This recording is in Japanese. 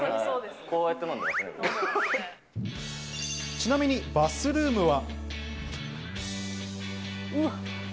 ちなみにバスルームは。